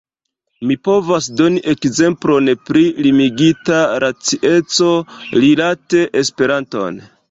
Mi povas doni ekzemplon pri limigita racieco rilate Esperanton.